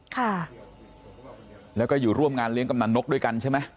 ค่ะแล้วก็อยู่ร่วมงานเลี้ยงกำนันนกด้วยกันใช่ไหม